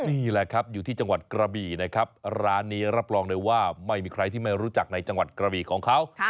นี่แหละครับอยู่ที่จังหวัดกระบี่นะครับร้านนี้รับรองเลยว่าไม่มีใครที่ไม่รู้จักในจังหวัดกระบีของเขา